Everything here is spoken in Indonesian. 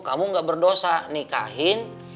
kamu gak berdosa nikahin